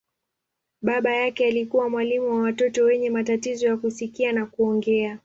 Baba yake alikuwa mwalimu wa watoto wenye matatizo ya kusikia na kuongea.